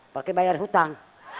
pakai bayar hutang